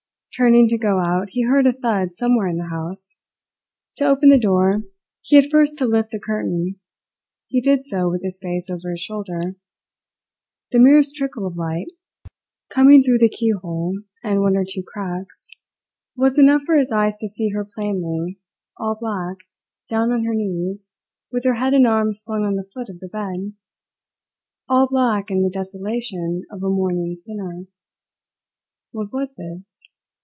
Turning to go out he heard a thud somewhere in the house. To open the door, he had first to lift the curtain; he did so with his face over his shoulder. The merest trickle of light, coming through the keyhole and one or two cracks, was enough for his eyes to see her plainly, all black, down on her knees, with her head and arms flung on the foot of the bed all black in the desolation of a mourning sinner. What was this?